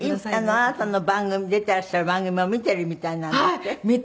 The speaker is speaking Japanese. あなたの番組出ていらっしゃる番組を見ているみたいなんですって？